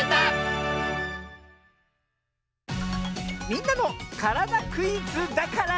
「みんなのからだクイズ」だから。